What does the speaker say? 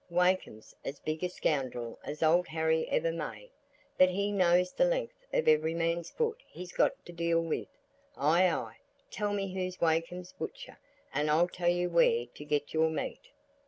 Wakem's as big a scoundrel as Old Harry ever made, but he knows the length of every man's foot he's got to deal with. Ay, ay, tell me who's Wakem's butcher, and I'll tell you where to get your meat."